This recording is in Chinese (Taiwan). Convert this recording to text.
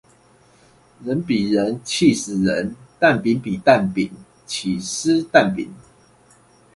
人比人氣死人，蛋餅比蛋餅，起司蛋餅